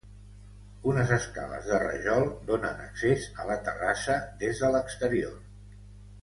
Unes escales de rajol donen accés a la terrassa des de l'exterior.